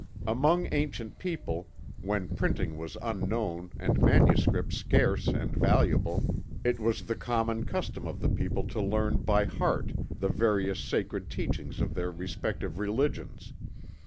Among ancient people, when printing was unknown and manuscripts scarce and valuable, it was the common custom of the people to learn "by heart" the various sacred teachings of their respective religions.